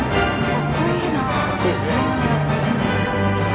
かっこいいよね。